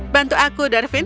bantu aku darwin